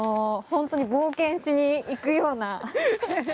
本当に冒険しに行くような。